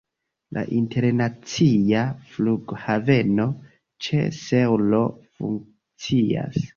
La internacia flughaveno ĉe Seulo funkcias.